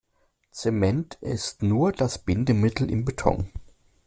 Zement ist nur das Bindemittel im Beton.